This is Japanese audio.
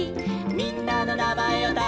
「みんなのなまえをたせば」